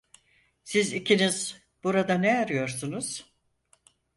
Siz ikiniz burada ne arıyorsunuz?